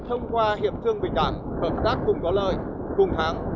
thông qua hiệp thương bình đẳng hợp tác cùng có lợi cùng thắng